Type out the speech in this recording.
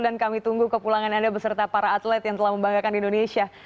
dan kami tunggu ke pulangan anda beserta para atlet yang telah membanggakan indonesia